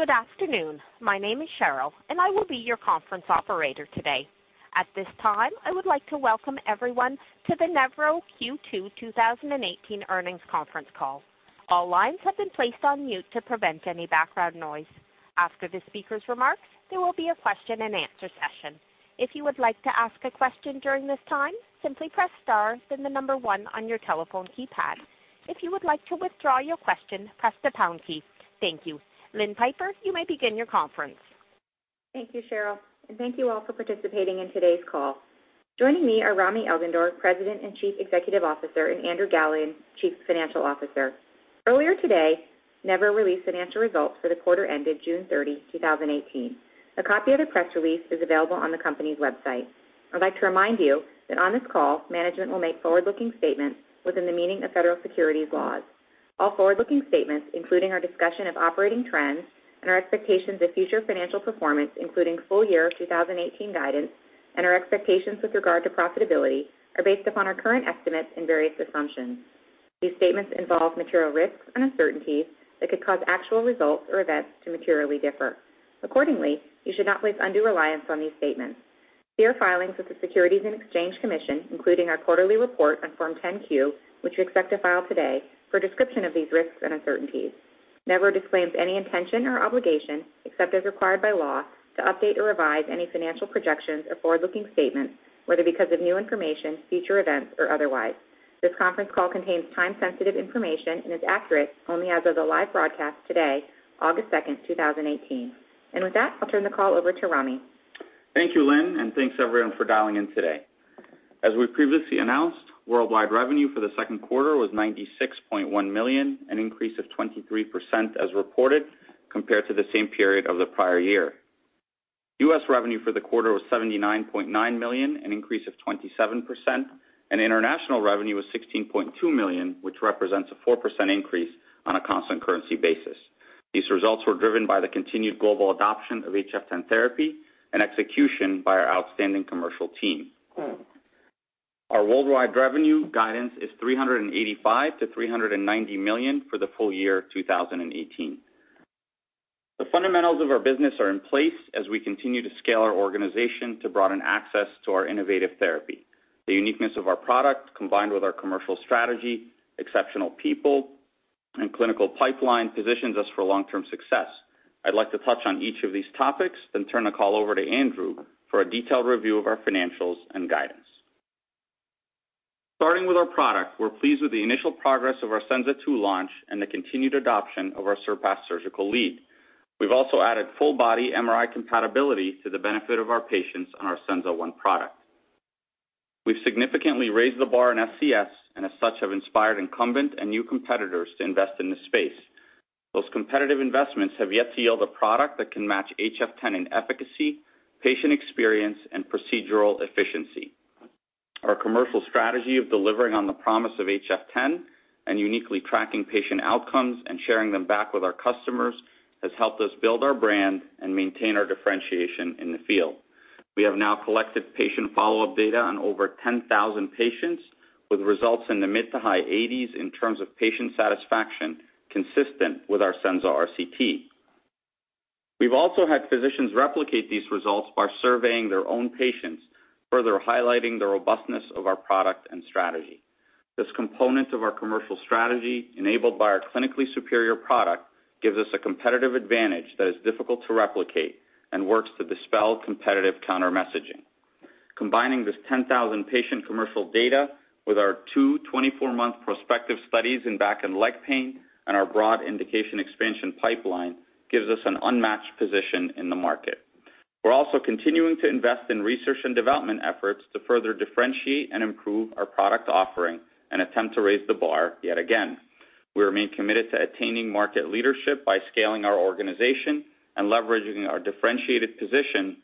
Good afternoon. My name is Cheryl, and I will be your conference operator today. At this time, I would like to welcome everyone to the Nevro Q2 2018 earnings conference call. All lines have been placed on mute to prevent any background noise. After the speaker's remarks, there will be a question and answer session. If you would like to ask a question during this time, simply press star, then 1 on your telephone keypad. If you would like to withdraw your question, press the pound key. Thank you. Lynn Pieper, you may begin your conference. Thank you, Cheryl, and thank you all for participating in today's call. Joining me are Rami Elghandour, President and Chief Executive Officer, and Andrew Galligan, Chief Financial Officer. Earlier today, Nevro released financial results for the quarter ending June 30, 2018. A copy of the press release is available on the company's website. I'd like to remind you that on this call, management will make forward-looking statements within the meaning of federal securities laws. All forward-looking statements, including our discussion of operating trends and our expectations of future financial performance, including full year 2018 guidance and our expectations with regard to profitability, are based upon our current estimates and various assumptions. These statements involve material risks and uncertainties that could cause actual results or events to materially differ. Accordingly, you should not place undue reliance on these statements. See our filings with the Securities and Exchange Commission, including our quarterly report on Form 10-Q, which we expect to file today, for a description of these risks and uncertainties. Nevro disclaims any intention or obligation, except as required by law, to update or revise any financial projections or forward-looking statements, whether because of new information, future events, or otherwise. This conference call contains time-sensitive information and is accurate only as of the live broadcast today, August 2nd, 2018. With that, I'll turn the call over to Rami. Thank you, Lynn, thanks everyone for dialing in today. As we previously announced, worldwide revenue for the second quarter was $96.1 million, an increase of 23% as reported, compared to the same period of the prior year. U.S. revenue for the quarter was $79.9 million, an increase of 27%, and international revenue was $16.2 million, which represents a 4% increase on a constant currency basis. These results were driven by the continued global adoption of HF10 therapy and execution by our outstanding commercial team. Our worldwide revenue guidance is $385 million-$390 million for the full year 2018. The fundamentals of our business are in place as we continue to scale our organization to broaden access to our innovative therapy. The uniqueness of our product, combined with our commercial strategy, exceptional people, and clinical pipeline, positions us for long-term success. I'd like to touch on each of these topics, then turn the call over to Andrew for a detailed review of our financials and guidance. Starting with our product, we're pleased with the initial progress of our Senza II launch and the continued adoption of our Surpass surgical lead. We've also added full-body MRI compatibility to the benefit of our patients on our Senza 1 product. We've significantly raised the bar in SCS, and as such, have inspired incumbent and new competitors to invest in this space. Those competitive investments have yet to yield a product that can match HF10 in efficacy, patient experience, and procedural efficiency. Our commercial strategy of delivering on the promise of HF10 and uniquely tracking patient outcomes and sharing them back with our customers has helped us build our brand and maintain our differentiation in the field. We have now collected patient follow-up data on over 10,000 patients with results in the mid to high 80s in terms of patient satisfaction consistent with our Senza RCT. We've also had physicians replicate these results by surveying their own patients, further highlighting the robustness of our product and strategy. This component of our commercial strategy, enabled by our clinically superior product, gives us a competitive advantage that is difficult to replicate and works to dispel competitive counter-messaging. Combining this 10,000-patient commercial data with our two 24-month prospective studies in back and leg pain and our broad indication expansion pipeline gives us an unmatched position in the market. We're also continuing to invest in research and development efforts to further differentiate and improve our product offering and attempt to raise the bar yet again. We remain committed to attaining market leadership by scaling our organization and leveraging our differentiated position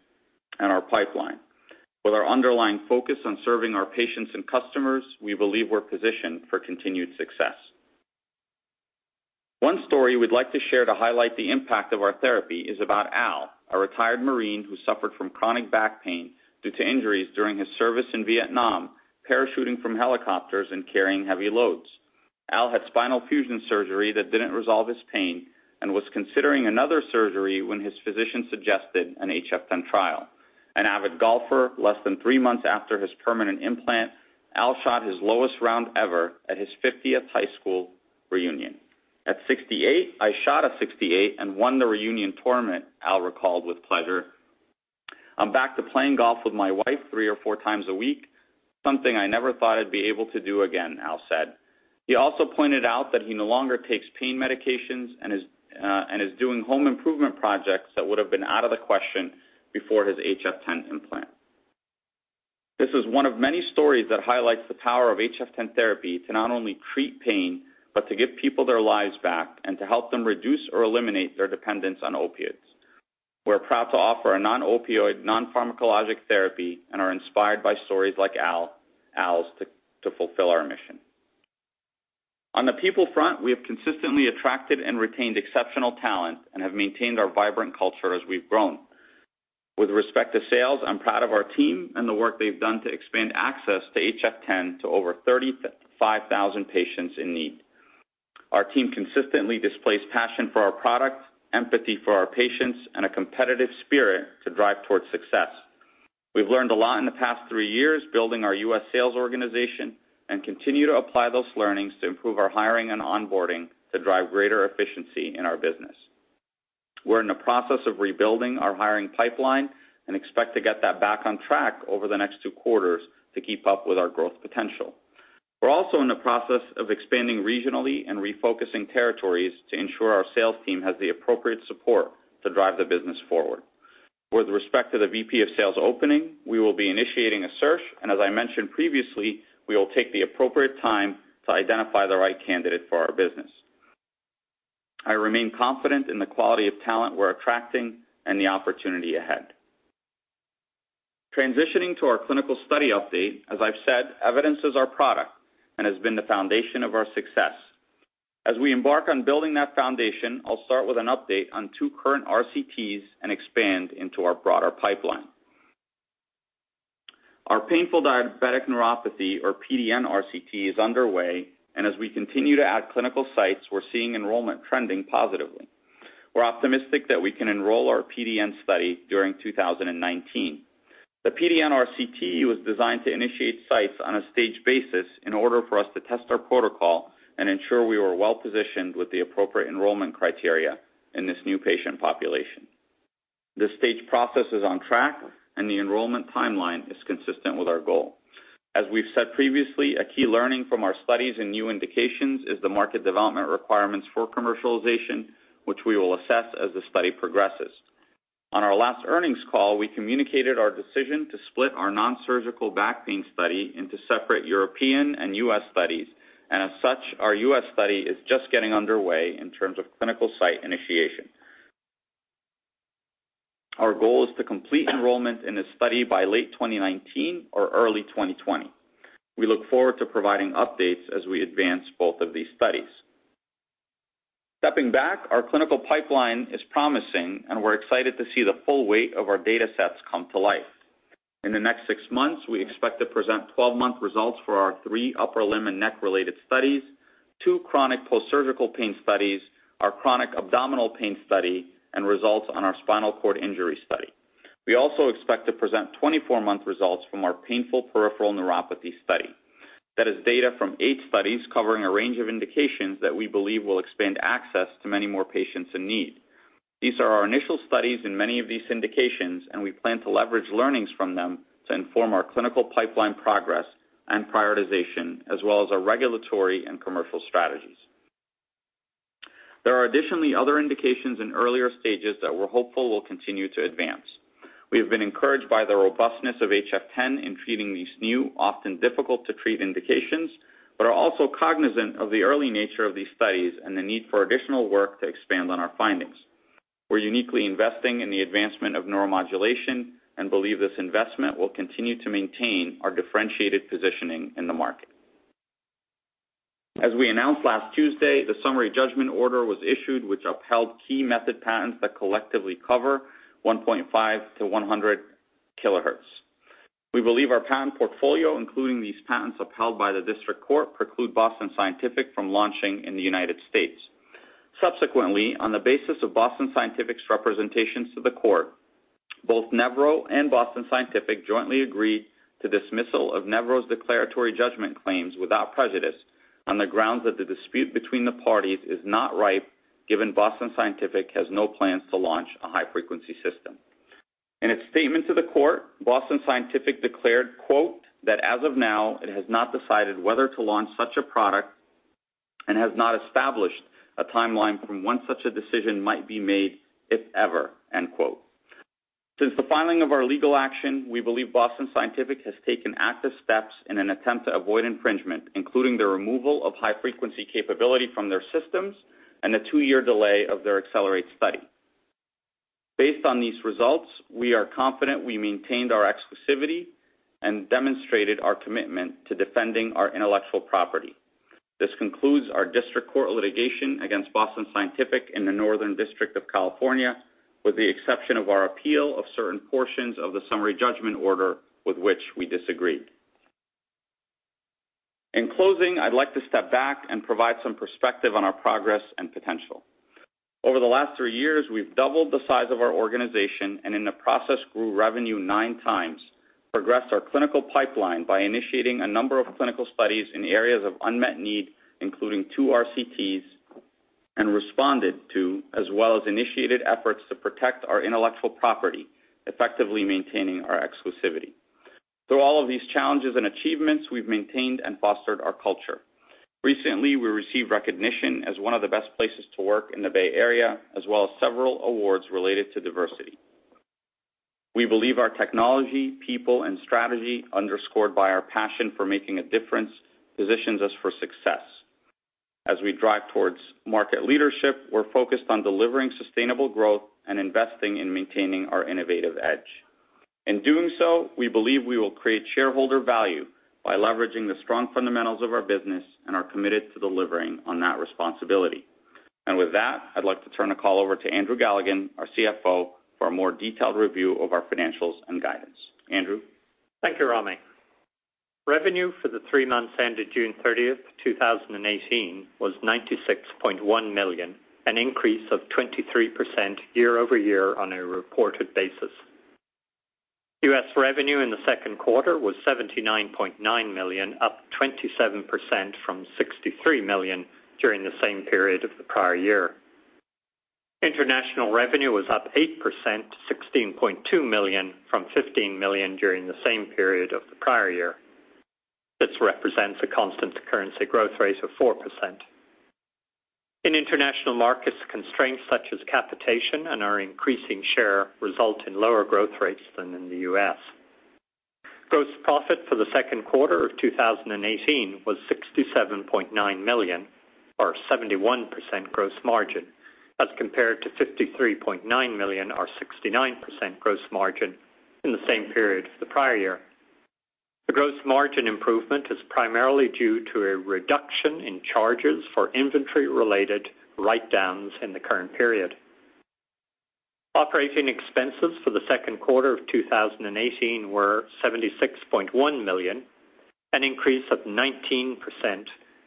and our pipeline. With our underlying focus on serving our patients and customers, we believe we're positioned for continued success. One story we'd like to share to highlight the impact of our therapy is about Al, a retired Marine who suffered from chronic back pain due to injuries during his service in Vietnam, parachuting from helicopters and carrying heavy loads. Al had spinal fusion surgery that didn't resolve his pain and was considering another surgery when his physician suggested an HF10 trial. An avid golfer, less than three months after his permanent implant, Al shot his lowest round ever at his 50th high school reunion. "At 68, I shot a 68 and won the reunion tournament," Al recalled with pleasure. I'm back to playing golf with my wife three or four times a week, something I never thought I'd be able to do again," Al said. He also pointed out that he no longer takes pain medications and is doing home improvement projects that would have been out of the question before his HF10 implant. This is one of many stories that highlights the power of HF10 therapy to not only treat pain, but to give people their lives back and to help them reduce or eliminate their dependence on opioids. We're proud to offer a non-opioid, non-pharmacologic therapy and are inspired by stories like Al's to fulfill our mission. On the people front, we have consistently attracted and retained exceptional talent and have maintained our vibrant culture as we've grown. With respect to sales, I'm proud of our team and the work they've done to expand access to HF10 to over 35,000 patients in need. Our team consistently displays passion for our product, empathy for our patients, and a competitive spirit to drive towards success. We've learned a lot in the past three years building our U.S. sales organization and continue to apply those learnings to improve our hiring and onboarding to drive greater efficiency in our business. We're in the process of rebuilding our hiring pipeline and expect to get that back on track over the next two quarters to keep up with our growth potential. We're also in the process of expanding regionally and refocusing territories to ensure our sales team has the appropriate support to drive the business forward. With respect to the VP of Sales opening, we will be initiating a search. As I mentioned previously, we will take the appropriate time to identify the right candidate for our business. I remain confident in the quality of talent we're attracting and the opportunity ahead. Transitioning to our clinical study update, as I've said, evidence is our product and has been the foundation of our success. As we embark on building that foundation, I'll start with an update on two current RCTs and expand into our broader pipeline. Our painful diabetic neuropathy, or PDN RCT, is underway, and as we continue to add clinical sites, we're seeing enrollment trending positively. We're optimistic that we can enroll our PDN study during 2019. The PDN RCT was designed to initiate sites on a stage basis in order for us to test our protocol and ensure we were well-positioned with the appropriate enrollment criteria in this new patient population. This stage process is on track, and the enrollment timeline is consistent with our goal. As we've said previously, a key learning from our studies in new indications is the market development requirements for commercialization, which we will assess as the study progresses. On our last earnings call, we communicated our decision to split our nonsurgical back pain study into separate European and U.S. studies. As such, our U.S. study is just getting underway in terms of clinical site initiation. Our goal is to complete enrollment in this study by late 2019 or early 2020. We look forward to providing updates as we advance both of these studies. Stepping back, our clinical pipeline is promising, and we're excited to see the full weight of our data sets come to life. In the next six months, we expect to present 12-month results for our three upper limb and neck-related studies, two chronic postsurgical pain studies, our chronic abdominal pain study, and results on our spinal cord injury study. We also expect to present 24-month results from our painful peripheral neuropathy study. That is data from eight studies covering a range of indications that we believe will expand access to many more patients in need. These are our initial studies in many of these indications. We plan to leverage learnings from them to inform our clinical pipeline progress and prioritization, as well as our regulatory and commercial strategies. There are additionally other indications in earlier stages that we're hopeful will continue to advance. We have been encouraged by the robustness of HF10 in treating these new, often difficult-to-treat indications, but are also cognizant of the early nature of these studies and the need for additional work to expand on our findings. We're uniquely investing in the advancement of neuromodulation and believe this investment will continue to maintain our differentiated positioning in the market. As we announced last Tuesday, the summary judgment order was issued, which upheld key method patents that collectively cover 1.5 to 100 kilohertz. We believe our patent portfolio, including these patents upheld by the district court, preclude Boston Scientific from launching in the United States. On the basis of Boston Scientific's representations to the court, both Nevro and Boston Scientific jointly agreed to dismissal of Nevro's declaratory judgment claims without prejudice on the grounds that the dispute between the parties is not ripe, given Boston Scientific has no plans to launch a high-frequency system. In its statement to the court, Boston Scientific declared, quote, "That as of now, it has not decided whether to launch such a product and has not established a timeline from when such a decision might be made, if ever." End quote. Since the filing of our legal action, we believe Boston Scientific has taken active steps in an attempt to avoid infringement, including the removal of high-frequency capability from their systems and a two-year delay of their ACCELERATE study. Based on these results, we are confident we maintained our exclusivity and demonstrated our commitment to defending our intellectual property. This concludes our district court litigation against Boston Scientific in the Northern District of California, with the exception of our appeal of certain portions of the summary judgment order with which we disagreed. In closing, I'd like to step back and provide some perspective on our progress and potential. Over the last three years, we've doubled the size of our organization and in the process grew revenue nine times, progressed our clinical pipeline by initiating a number of clinical studies in areas of unmet need, including two RCTs, and responded to as well as initiated efforts to protect our intellectual property, effectively maintaining our exclusivity. Through all of these challenges and achievements, we've maintained and fostered our culture. Recently, we received recognition as one of the best places to work in the Bay Area, as well as several awards related to diversity. We believe our technology, people, and strategy, underscored by our passion for making a difference, positions us for success. As we drive towards market leadership, we're focused on delivering sustainable growth and investing in maintaining our innovative edge. In doing so, we believe we will create shareholder value by leveraging the strong fundamentals of our business and are committed to delivering on that responsibility. With that, I'd like to turn the call over to Andrew Galligan, our CFO, for a more detailed review of our financials and guidance. Andrew? Thank you, Rami. Revenue for the three months ended June 30, 2018, was $96.1 million, an increase of 23% year-over-year on a reported basis. U.S. revenue in the second quarter was $79.9 million, up 27% from $63 million during the same period of the prior year. International revenue was up 8%, $16.2 million from $15 million during the same period of the prior year. This represents a constant currency growth rate of 4%. In international markets, constraints such as capitation and our increasing share result in lower growth rates than in the U.S. Gross profit for the second quarter of 2018 was $67.9 million, or 71% gross margin, as compared to $53.9 million or 69% gross margin in the same period of the prior year. The gross margin improvement is primarily due to a reduction in charges for inventory-related write-downs in the current period. Operating expenses for the second quarter of 2018 were $76.1 million, an increase of 19%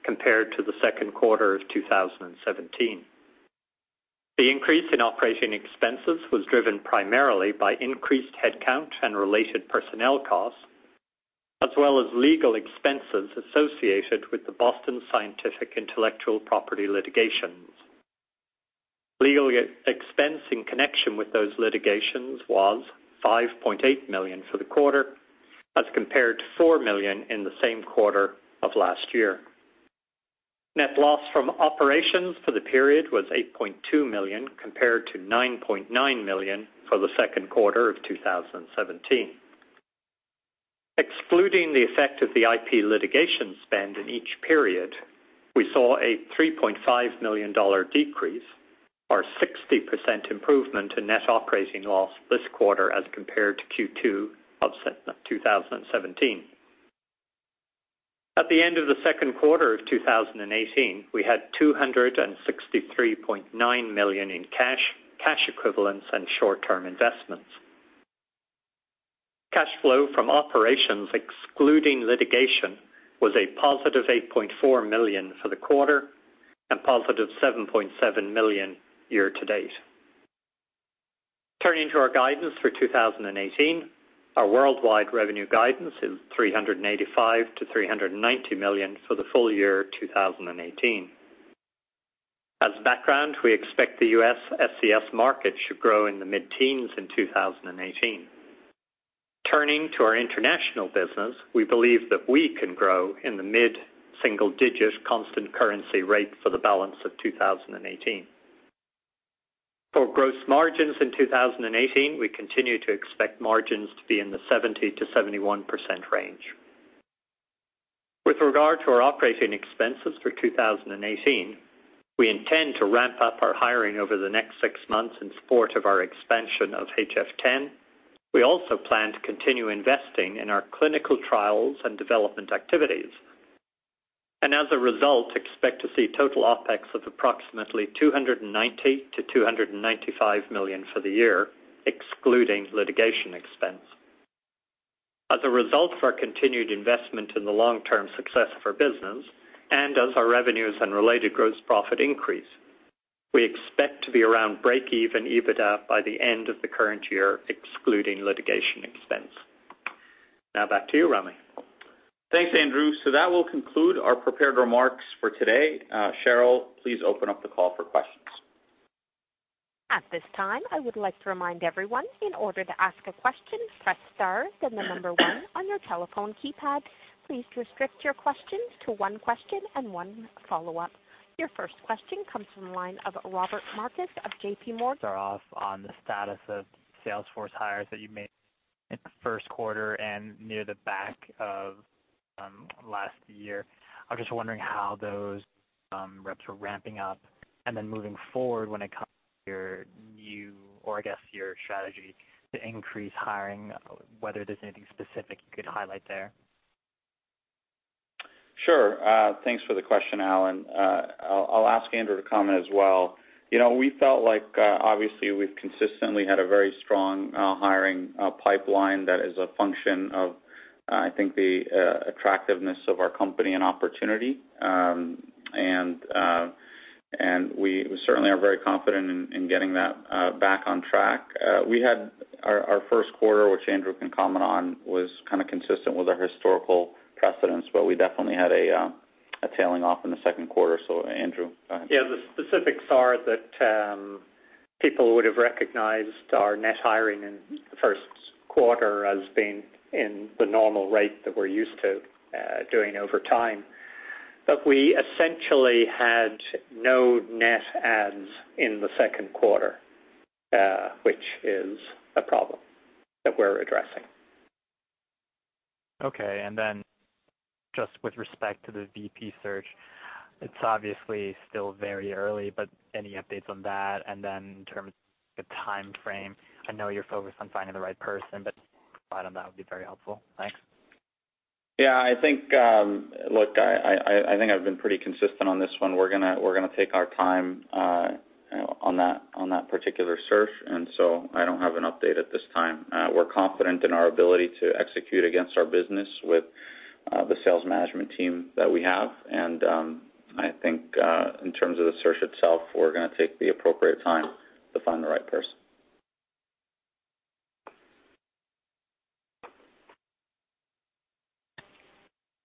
compared to the second quarter of 2017. The increase in operating expenses was driven primarily by increased headcount and related personnel costs, as well as legal expenses associated with the Boston Scientific intellectual property litigations. Legal expense in connection with those litigations was $5.8 million for the quarter, as compared to $4 million in the same quarter of last year. Net loss from operations for the period was $8.2 million, compared to $9.9 million for the second quarter of 2017. Excluding the effect of the IP litigation spend in each period, we saw a $3.5 million decrease, or 60% improvement in net operating loss this quarter as compared to Q2 of 2017. At the end of the second quarter of 2018, we had $263.9 million in cash equivalents, and short-term investments. Cash flow from operations, excluding litigation, was a positive $8.4 million for the quarter and positive $7.7 million year to date. Turning to our guidance for 2018, our worldwide revenue guidance is $385 million-$390 million for the full year 2018. As background, we expect the U.S. SCS market should grow in the mid-teens in 2018. Turning to our international business, we believe that we can grow in the mid-single digit constant currency rate for the balance of 2018. For gross margins in 2018, we continue to expect margins to be in the 70%-71% range. With regard to our operating expenses for 2018, we intend to ramp up our hiring over the next six months in support of our expansion of HF10. As a result, we also plan to continue investing in our clinical trials and development activities, and as a result, expect to see total OpEx of approximately $290 million-$295 million for the year, excluding litigation expense. As a result of our continued investment in the long-term success of our business, as our revenues and related gross profit increase, we expect to be around break-even EBITDA by the end of the current year, excluding litigation expense. Back to you, Ramy. Thanks, Andrew. That will conclude our prepared remarks for today. Cheryl, please open up the call for questions. At this time, I would like to remind everyone, in order to ask a question, press star then the number one on your telephone keypad. Please restrict your questions to one question and one follow-up. Your first question comes from the line of Robert Marcus of JPMorgan. Start off on the status of sales force hires that you made in the first quarter and near the back of last year. I was just wondering how those reps were ramping up moving forward when it comes to your new, or I guess, your strategy to increase hiring, whether there's anything specific you could highlight there. Sure. Thanks for the question, Alan. I'll ask Andrew to comment as well. We felt like, obviously, we've consistently had a very strong hiring pipeline that is a function of, I think the attractiveness of our company and opportunity. We certainly are very confident in getting that back on track. We had our first quarter, which Andrew can comment on, was kind of consistent with our historical precedents, but we definitely had a tailing off in the second quarter. Andrew, go ahead. The specifics are that people would have recognized our net hiring in the first quarter as being in the normal rate that we're used to doing over time. We essentially had no net adds in the second quarter, which is a problem that we're addressing. Okay. Just with respect to the VP search, it's obviously still very early, any updates on that? In terms of the timeframe, I know you're focused on finding the right person, provide on that would be very helpful. Thanks. Look, I think I've been pretty consistent on this one. We're going to take our time on that particular search. So I don't have an update at this time. We're confident in our ability to execute against our business with the sales management team that we have. I think, in terms of the search itself, we're going to take the appropriate time to find the right person.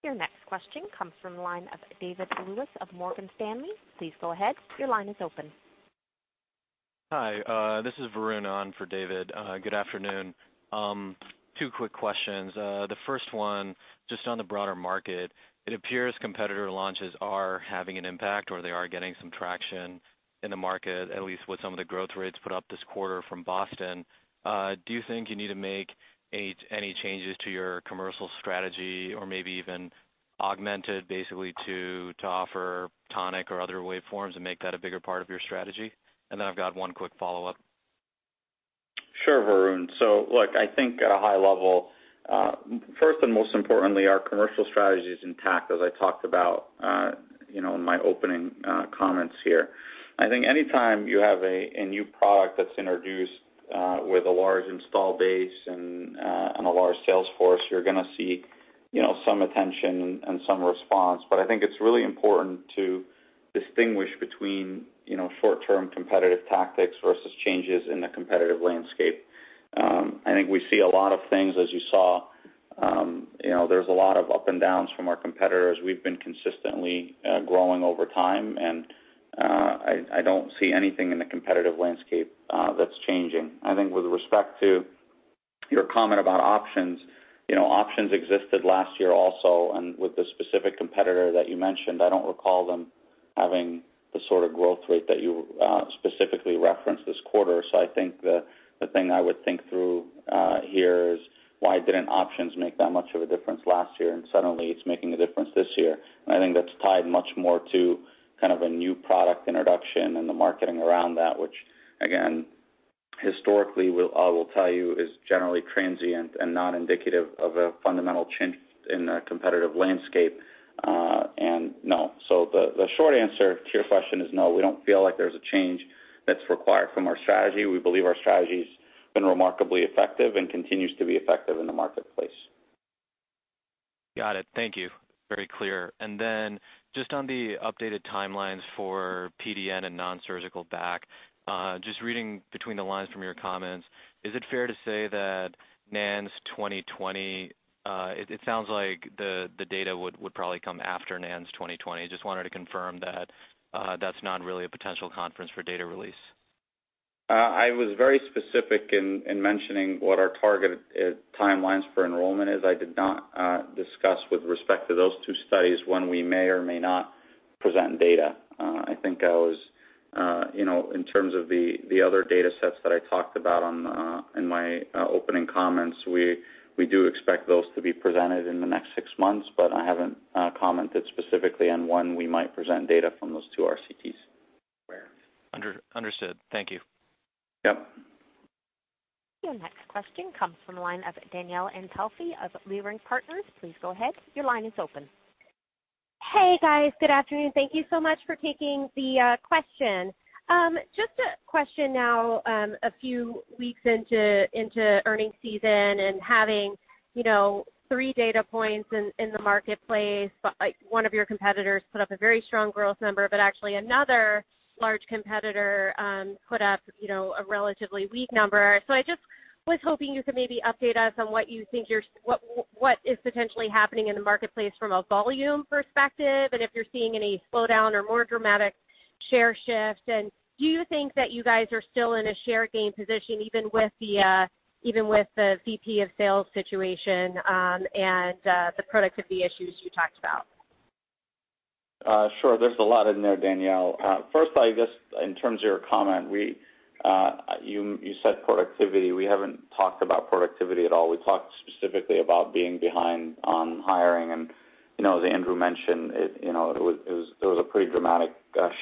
Your next question comes from the line of David Lewis of Morgan Stanley. Please go ahead. Your line is open. Hi, this is Varun on for David. Good afternoon. Two quick questions. The first one, just on the broader market, it appears competitor launches are having an impact, or they are getting some traction in the market, at least with some of the growth rates put up this quarter from Boston. Do you think you need to make any changes to your commercial strategy or maybe even augment it basically to offer Tonic or other waveforms and make that a bigger part of your strategy? I've got one quick follow-up. Sure, Varun. Look, I think at a high level, first and most importantly, our commercial strategy is intact, as I talked about in my opening comments here. I think anytime you have a new product that's introduced with a large install base and a large sales force, you're going to see some attention and some response. I think it's really important to distinguish between short-term competitive tactics versus changes in the competitive landscape. I think we see a lot of things as you saw. There's a lot of up and downs from our competitors. We've been consistently growing over time, and I don't see anything in the competitive landscape that's changing. I think with respect to your comment about options existed last year also, with the specific competitor that you mentioned, I don't recall them having the sort of growth rate that you specifically referenced this quarter. I think the thing I would think through here is why didn't options make that much of a difference last year and suddenly it's making a difference this year? I think that's tied much more to kind of a new product introduction and the marketing around that, which again, historically, I will tell you, is generally transient and non-indicative of a fundamental change in the competitive landscape, and no. The short answer to your question is no, we don't feel like there's a change that's required from our strategy. We believe our strategy's been remarkably effective and continues to be effective in the marketplace. Got it. Thank you. Very clear. Just on the updated timelines for PDN and non-surgical back, reading between the lines from your comments, is it fair to say that NANS 2020, it sounds like the data would probably come after NANS 2020? I just wanted to confirm that that's not really a potential conference for data release. I was very specific in mentioning what our target timelines for enrollment is. I did not discuss with respect to those two studies when we may or may not present data. I think I was, in terms of the other data sets that I talked about in my opening comments, we do expect those to be presented in the next 6 months, but I haven't commented specifically on when we might present data from those two RCTs. Understood. Thank you. Yep. Your next question comes from the line of Danielle Antalffy of Leerink Partners. Please go ahead. Your line is open. Hey, guys. Good afternoon. Thank you so much for taking the question. Just a question now, a few weeks into earning season and having three data points in the marketplace. One of your competitors put up a very strong growth number, but actually another large competitor put up a relatively weak number. I just was hoping you could maybe update us on what you think is potentially happening in the marketplace from a volume perspective, and if you're seeing any slowdown or more dramatic share shift. Do you think that you guys are still in a share gain position even with the VP of sales situation, and the productivity issues you talked about? Sure. There's a lot in there, Danielle. First, I guess in terms of your comment, you said productivity. We haven't talked about productivity at all. We talked specifically about being behind on hiring and as Andrew mentioned, it was a pretty dramatic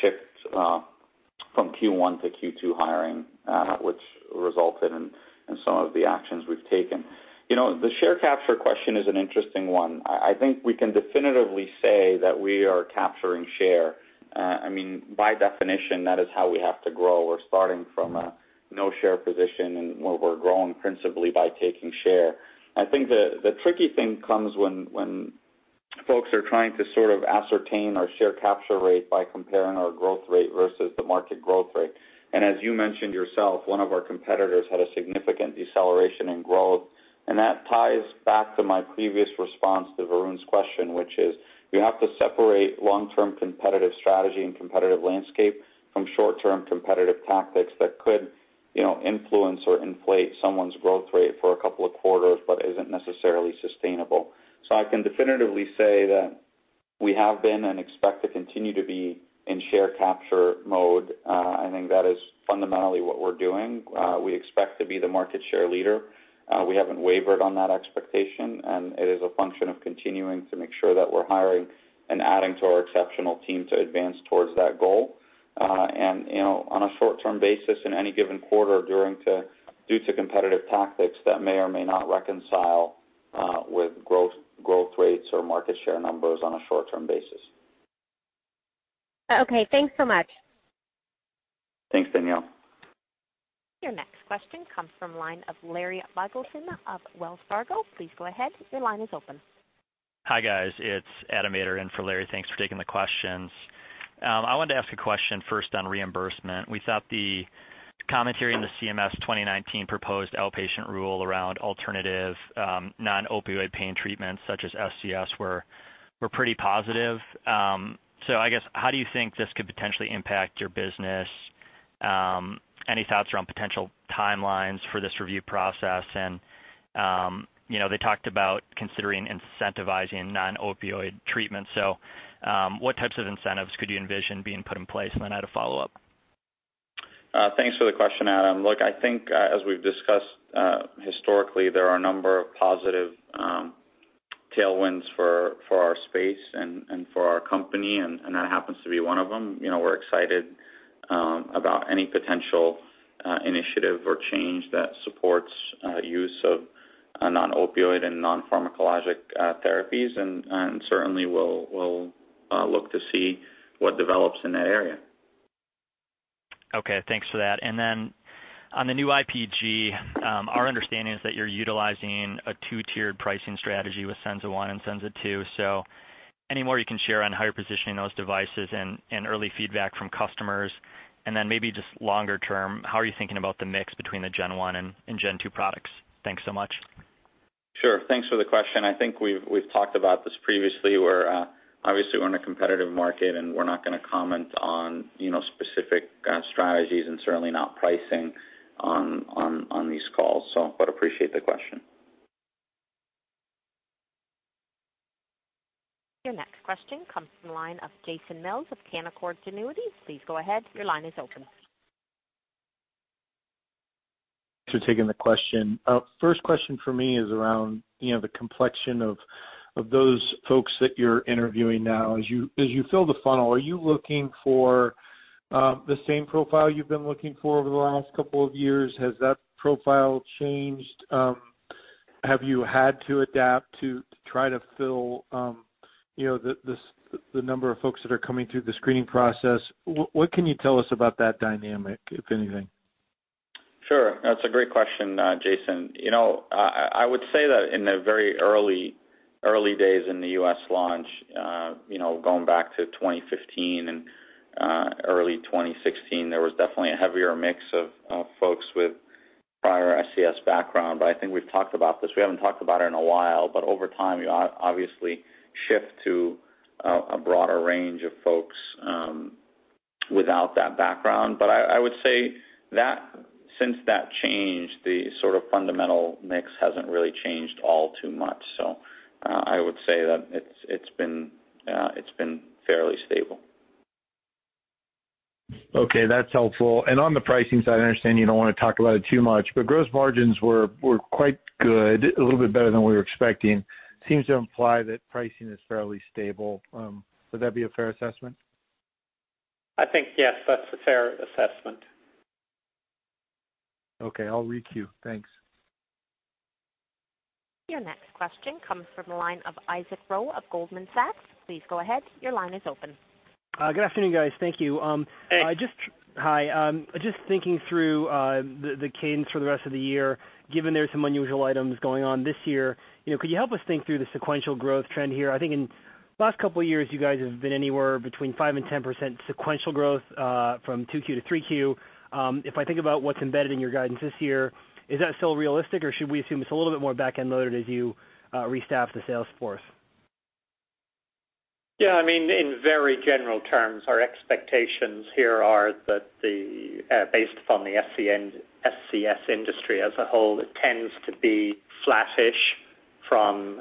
shift from Q1 to Q2 hiring, which resulted in some of the actions we've taken. The share capture question is an interesting one. I think we can definitively say that we are capturing share. By definition, that is how we have to grow. We're starting from a no-share position and we're growing principally by taking share. I think the tricky thing comes when folks are trying to sort of ascertain our share capture rate by comparing our growth rate versus the market growth rate. As you mentioned yourself, one of our competitors had a significant deceleration in growth. That ties back to my previous response to Varun's question, which is you have to separate long-term competitive strategy and competitive landscape from short-term competitive tactics that could influence or inflate someone's growth rate for a couple of quarters, but isn't necessarily sustainable. I can definitively say that we have been and expect to continue to be in share capture mode. I think that is fundamentally what we're doing. We expect to be the market share leader. We haven't wavered on that expectation, and it is a function of continuing to make sure that we're hiring and adding to our exceptional team to advance towards that goal. On a short-term basis, in any given quarter, due to competitive tactics, that may or may not reconcile with growth rates or market share numbers on a short-term basis. Okay, thanks so much. Thanks, Danielle. Your next question comes from the line of Larry Biegelsen of Wells Fargo. Please go ahead. Your line is open. Hi, guys. It's Adam Zygler in for Larry. Thanks for taking the questions. I wanted to ask a question first on reimbursement. We thought the commentary in the CMS 2019 proposed outpatient rule around alternative non-opioid pain treatments such as SCS were pretty positive. I guess, how do you think this could potentially impact your business? Any thoughts around potential timelines for this review process? They talked about considering incentivizing non-opioid treatments, what types of incentives could you envision being put in place? Then I had a follow-up. Thanks for the question, Adam. I think as we've discussed historically, there are a number of positive tailwinds for our space and for our company, that happens to be one of them. We're excited about any potential initiative or change that supports use of non-opioid and non-pharmacologic therapies, certainly we'll look to see what develops in that area. Thanks for that. Then on the new IPG, our understanding is that you're utilizing a two-tiered pricing strategy with Senza and Senza II. Any more you can share on how you're positioning those devices and early feedback from customers, then maybe just longer term, how are you thinking about the mix between the gen 1 and gen 2 products? Thanks so much. Sure. Thanks for the question. I think we've talked about this previously. Obviously, we're in a competitive market, and we're not going to comment on specific strategies and certainly not pricing on these calls. Appreciate the question. Your next question comes from the line of Jason Mills of Canaccord Genuity. Please go ahead. Your line is open. Thanks for taking the question. First question for me is around the complexion of those folks that you're interviewing now. As you fill the funnel, are you looking for the same profile you've been looking for over the last couple of years? Has that profile changed? Have you had to adapt to try to fill the number of folks that are coming through the screening process? What can you tell us about that dynamic, if anything? Sure. That's a great question, Jason. I would say that in the very early days in the U.S. launch, going back to 2015 and early 2016, there was definitely a heavier mix of folks with prior SCS background. I think we've talked about this. We haven't talked about it in a while, but over time, you obviously shift to a broader range of folks without that background. I would say since that change, the sort of fundamental mix hasn't really changed all too much. I would say that it's been fairly stable. Okay, that's helpful. On the pricing side, I understand you don't want to talk about it too much, but gross margins were quite good, a little bit better than we were expecting. Seems to imply that pricing is fairly stable. Would that be a fair assessment? I think, yes, that's a fair assessment. Okay, I'll re-queue. Thanks. Your next question comes from the line of Isaac Ro of Goldman Sachs. Please go ahead. Your line is open. Good afternoon, guys. Thank you. Hey. Hi. Just thinking through the cadence for the rest of the year, given there's some unusual items going on this year, could you help us think through the sequential growth trend here? I think in the last couple of years, you guys have been anywhere between five and 10% sequential growth from 2Q to 3Q. If I think about what's embedded in your guidance this year, is that still realistic, or should we assume it's a little bit more back-end loaded as you restaff the sales force? Yeah, in very general terms, our expectations here are that based upon the SCS industry as a whole, it tends to be flat-ish from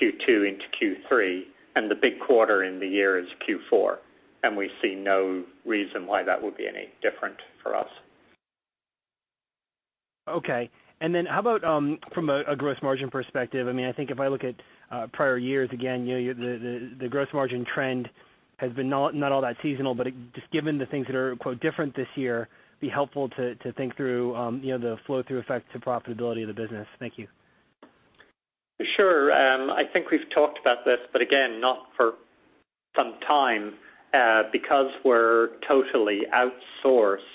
Q2 into Q3, and the big quarter in the year is Q4, and we see no reason why that would be any different for us. Okay. Then how about from a gross margin perspective? I think if I look at prior years, again, the gross margin trend has been not all that seasonal, but just given the things that are, quote, "different this year," be helpful to think through the flow-through effect to profitability of the business. Thank you. Sure. I think we've talked about this, again, not for some time. Because we're totally outsourced,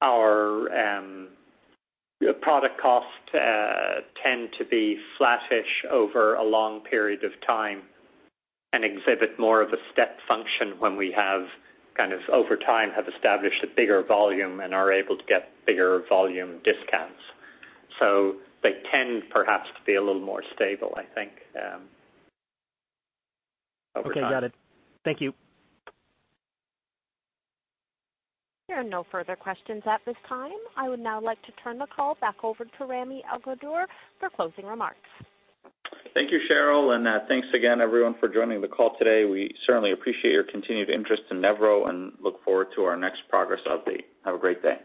our product costs tend to be flat-ish over a long period of time and exhibit more of a step function when we have kind of over time have established a bigger volume and are able to get bigger volume discounts. They tend perhaps to be a little more stable, I think, over time. Okay, got it. Thank you. There are no further questions at this time. I would now like to turn the call back over to Rami Elghandour for closing remarks. Thank you, Cheryl, thanks again, everyone, for joining the call today. We certainly appreciate your continued interest in Nevro and look forward to our next progress update. Have a great day.